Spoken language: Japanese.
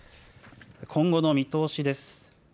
今後の見通しです。